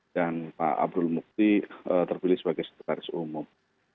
dan pak abdul mukti terpilih sebagai setaris umum